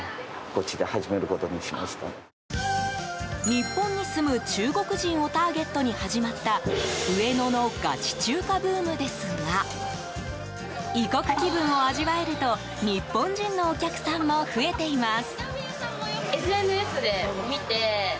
日本に住む中国人をターゲットに始まった上野のガチ中華ブームですが異国気分を味わえると、日本人のお客さんも増えています。